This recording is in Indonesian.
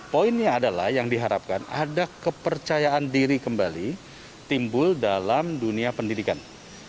poinnya adalah yang diharapkan ada kepercayaan diri kembali timbul dalam dunia pendidikan